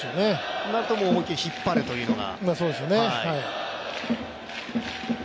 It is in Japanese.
となると本気で引っ張るというのが。